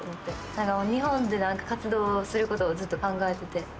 なんか日本で活動することをずっと考えてて。